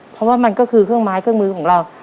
เพราะว่ามันก็คือเครื่องไม้เครื่องมือของเรา